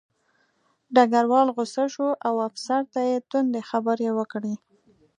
ډګروال غوسه شو او افسر ته یې تندې خبرې وکړې